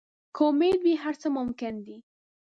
که امید وي، هر څه ممکن دي.